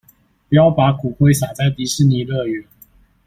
不要把骨灰灑在迪士尼樂園